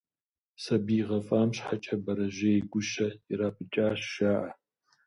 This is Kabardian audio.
Сабий гъэфӏам щхьэкӏэ, бэрэжьей гущэ ирапӏыкӏащ, жаӏэ.